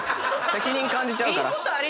責任感じちゃうから。